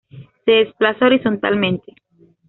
Se desplaza horizontalmente.